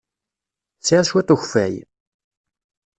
Tesɛiḍ cwiṭ n ukeffay?